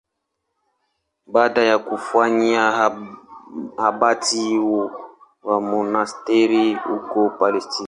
Baada ya kufanywa abati wa monasteri huko Palestina.